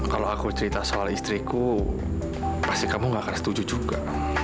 kalau aku cerita soal istriku pasti kamu gak akan setuju juga